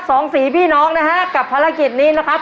สองสี่พี่น้องนะฮะกับภารกิจนี้นะครับ